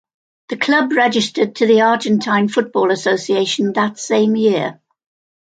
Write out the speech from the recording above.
The club registered to the Argentine Football Association that same year.